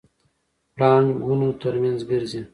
پړانګ ونو ترمنځ ګرځي.